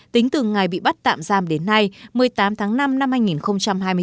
tính từ ngày bị bắt tạm giam đến nay một mươi tám tháng năm năm hai nghìn hai mươi bốn